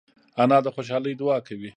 انا د خوشحالۍ دعا کوي